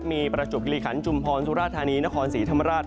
มีประจบกิริขันชุมพรสุราธานีนครศรีธรรมราช